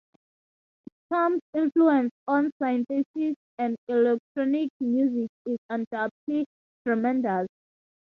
Palm's influence on synthesis and electronic music is, undoubtedly, tremendous.